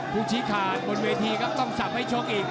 ผู้ชิงขาดบนเวทีก็ต้องสรรค์ให้โชคอีก